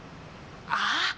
ああ